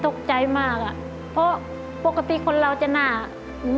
ตกใจมากเพราะปกติคนเราจะหน้าอย่างนี้